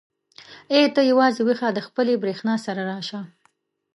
ای ته یوازې ويښه د خپلې برېښنا سره راشه.